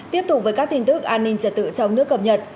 tiếp tục với các tin tức an ninh trật tự trong nước cập nhật